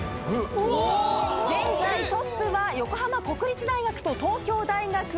現在トップは横浜国立大学と東京大学。